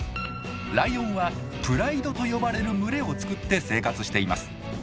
ライオンは「プライド」と呼ばれる群れを作って生活しています。